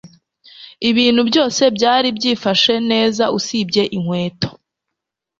Ibintu byose byari byifashe neza usibye inkweto